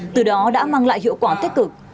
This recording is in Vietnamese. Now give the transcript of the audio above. từ đó đã mang lại hiệu quả thiết cực